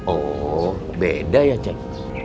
oh beda ya cek